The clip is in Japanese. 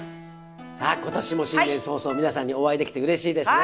さあ今年も新年早々皆さんにお会いできてうれしいですね。